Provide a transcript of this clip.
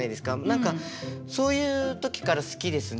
何かそういう時から好きですね。